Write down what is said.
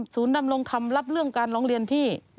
ดำรงธรรมรับเรื่องการร้องเรียนพี่